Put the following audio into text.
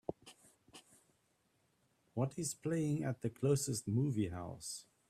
What is playing at the closest movie house